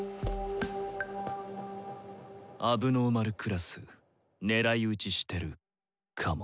問題児クラス狙い撃ちしてるかも。